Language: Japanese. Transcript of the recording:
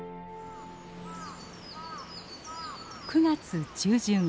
９月中旬。